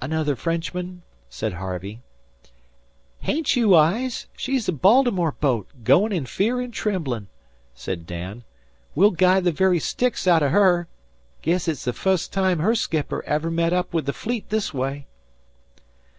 "Another Frenchman?" said Harvey. "Hain't you eyes? She's a Baltimore boat; goin' in fear an' tremblin'," said Dan. "We'll guy the very sticks out of her. Guess it's the fust time her skipper ever met up with the Fleet this way."